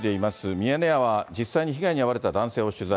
ミヤネ屋は実際に被害に遭われた男性を取材。